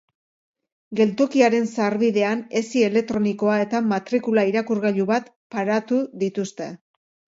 Geltokiaren sarbidean hesi elektronikoa eta matrikula irakurgailu bat paratu dituzte.